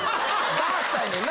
打破したいねんな？